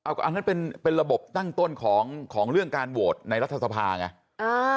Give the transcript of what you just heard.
อันนั้นเป็นเป็นระบบตั้งต้นของของเรื่องการโหวตในรัฐสภาค่ะอ่า